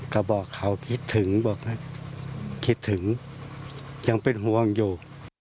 ก็บอกเขาคิดถึงบอกคิดถึงยังเป็นห่วงอยู่